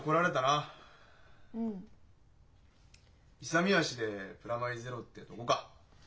勇み足でプラマイゼロってとこか。